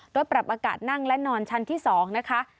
โดยปรับอากาศนั่งและนอนชั้นที่๒นะคะ